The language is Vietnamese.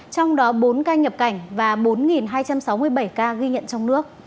trong đó bốn ca nhập cảnh và bốn hai trăm sáu mươi bảy ca ghi nhận trong nước